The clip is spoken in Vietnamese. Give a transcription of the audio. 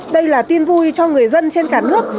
đây là tin vui cho người dân trên cả nước